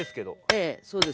ええそうです。